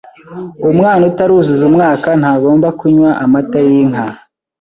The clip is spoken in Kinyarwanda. Umwana utaruzuza umwaka ntagomba kunywa amata y’inka.